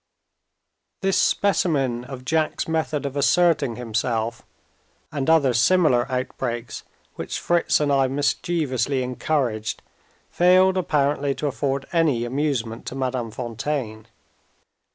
This specimen of Jack's method of asserting himself, and other similar outbreaks which Fritz and I mischievously encouraged, failed apparently to afford any amusement to Madame Fontaine.